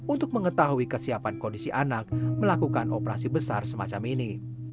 untuk mengetahui kesiapan kondisi anak melakukan operasi besar semacam ini